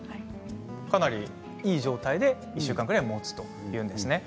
かなりいい状態で１週間くらい、もつんですね。